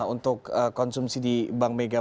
untuk konsumsi di bank mega